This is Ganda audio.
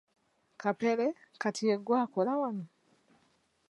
Kapere, Kati ye ggwe akola wano?